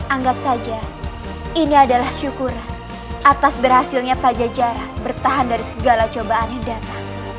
anggap saja ini adalah syukuran atas berhasilnya pajajaran bertahan dari segala cobaan yang datang